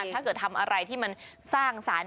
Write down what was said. ถ้าเกิดทำอะไรที่มันสร้างสรรค์